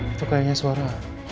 itu kayaknya suara